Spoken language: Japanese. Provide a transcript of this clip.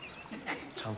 ちゃんと。